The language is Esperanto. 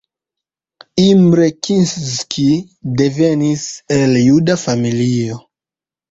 Imre Kinszki devenis el juda familio.